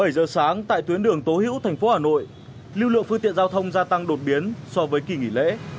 bảy giờ sáng tại tuyến đường tố hữu thành phố hà nội lưu lượng phương tiện giao thông gia tăng đột biến so với kỳ nghỉ lễ